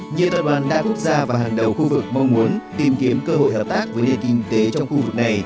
nhiều tập đoàn đa quốc gia và hàng đầu khu vực mong muốn tìm kiếm cơ hội hợp tác với nền kinh tế trong khu vực này